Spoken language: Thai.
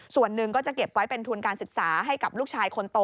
ส่วนหนึ่งก็จะเก็บไว้เป็นทุนการศึกษาให้กับลูกชายคนโต